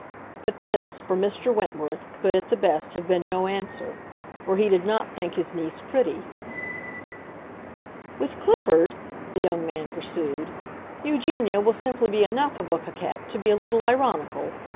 But this, for Mr. Wentworth, could at the best have been no answer, for he did not think his niece pretty. "With Clifford," the young man pursued, "Eugenia will simply be enough of a coquette to be a little ironical.